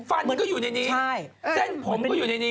มันก็อยู่ในนี้เส้นผมก็อยู่ในนี้